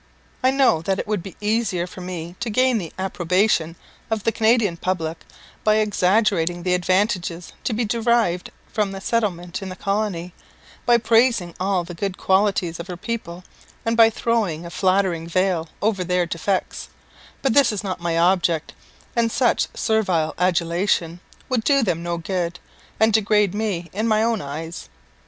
I know that it would be easier for me to gain the approbation of the Canadian public, by exaggerating the advantages to be derived from a settlement in the colony, by praising all the good qualities of her people, and by throwing a flattering veil over their defects; but this is not my object, and such servile adulation would do them no good, and degrade me in my own eyes.